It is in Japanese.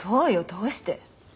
どうして？